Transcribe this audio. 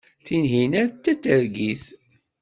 Tinhinan d tatergit.